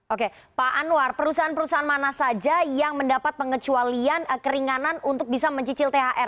oke pak anwar perusahaan perusahaan mana saja yang mendapat pengecualian keringanan untuk bisa mencicil thr